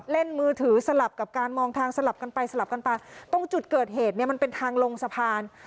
เล่นมือถือสลับกับการมองทางสลับกันไปตรงจุดเกิดเหตุมันเป็นทางลงสะพาน